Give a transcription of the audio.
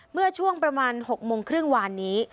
เมื่อช่วงประมาณ๖โมงครึ่งวานนี้